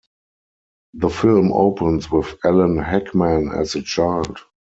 The film opens with Alan Hakman as a child.